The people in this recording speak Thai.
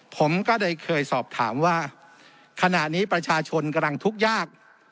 ผมก็ได้เคยสอบถามว่าขณะนี้ประชาชนกำลังทุกข์ยาก